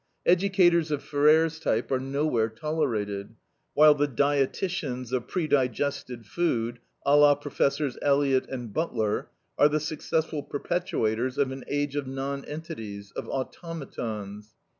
Educators of Ferrer's type are nowhere tolerated, while the dietitians of predigested food, a la Professors Eliot and Butler, are the successful perpetuators of an age of nonentities, of automatons.